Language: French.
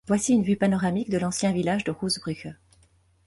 Voici une vue panoramique de l'ancien village de Roesbrugge.